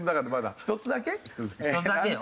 １つだけよ。